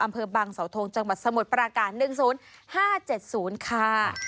อำเภอบังเสาทงจังหวัดสมุทรปราการ๑๐๕๗๐ค่ะ